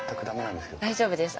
大丈夫です。